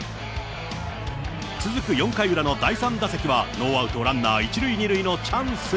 続く４回裏の第３打席はノーアウトランナー１塁２塁のチャンス。